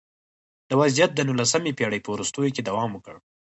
دا وضعیت د نولسمې پېړۍ په وروستیو کې دوام وکړ